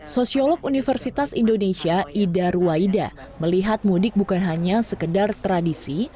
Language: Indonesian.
sosiolog universitas indonesia ida ruwaida melihat mudik bukan hanya sekedar tradisi